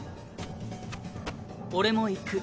俺も行く。